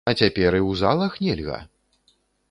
А цяпер і ў залах нельга!?